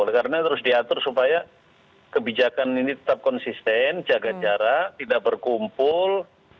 karena harus diatur supaya kebijakan ini tetap konsisten jaga jarak tidak berkumpul